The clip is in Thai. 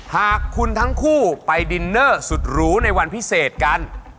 หากคุณทั้งคู่ไปดินเนอร์สุดหรูในวันพิเศษกัน